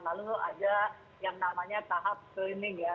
lalu ada yang namanya tahap screening ya